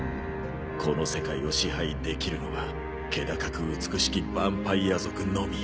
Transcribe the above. この世界を支配できるのは気高く美しきヴァンパイア族のみ。